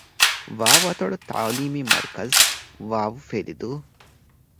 ވ. އަތޮޅު ތަޢުލީމީ މަރުކަޒު، ވ. ފެލިދޫ